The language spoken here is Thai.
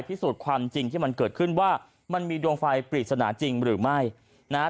พิสูจน์ความจริงที่มันเกิดขึ้นว่ามันมีดวงไฟปริศนาจริงหรือไม่นะฮะ